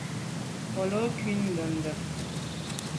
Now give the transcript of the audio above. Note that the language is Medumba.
Nkelô ku’ ndende.